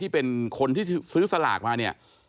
เป็นคนที่ซื้อสลากมาเนี่ย